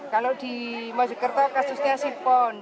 kalau di mojokerto kasusnya sipon